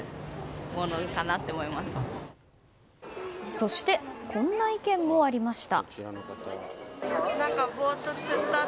そしてこんな意見もありました。